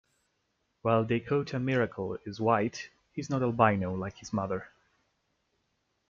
While Dakota Miracle is white, he is not albino like his mother.